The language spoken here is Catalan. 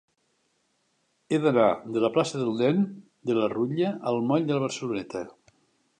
He d'anar de la plaça del Nen de la Rutlla al moll de la Barceloneta.